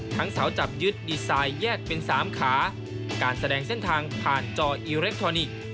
เสาจับยึดดีไซน์แยกเป็นสามขาการแสดงเส้นทางผ่านจออิเล็กทรอนิกส์